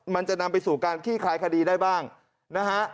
มันจะนำไปสู่การขี้คลายคดีได้บ้างนะฮะ